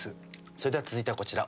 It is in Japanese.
それでは続いてはこちら。